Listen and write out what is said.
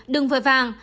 đừng vơi vàng